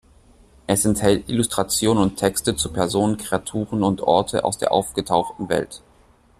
Es enthält Illustrationen und Texte zu Personen, Kreaturen und Orte aus der aufgetauchten Welt.